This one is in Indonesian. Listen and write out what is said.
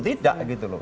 tidak gitu loh